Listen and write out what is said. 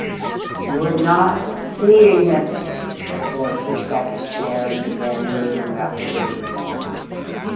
"You're not seeing it!" The boy pushed back his chair and began moving about the room.